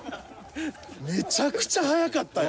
めちゃくちゃ速かったよ